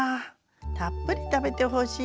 たっぷり食べてほしいのよ。